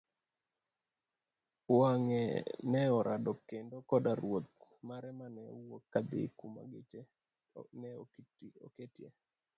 wange' ne orado kendo koda Ruoth mare mane wuok kadhi kuma geche ne oketie.